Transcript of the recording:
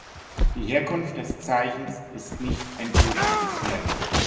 Die Herkunft des Zeichens ist nicht endgültig geklärt.